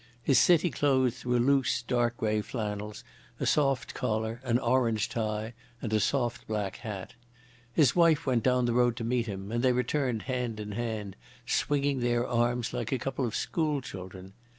His city clothes were loose dark grey flannels, a soft collar, an orange tie, and a soft black hat. His wife went down the road to meet him, and they returned hand in hand, swinging their arms like a couple of schoolchildren.